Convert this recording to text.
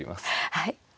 はい。